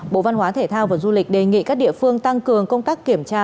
bộ văn hóa thể thao và du lịch đề nghị các địa phương tăng cường công tác kiểm tra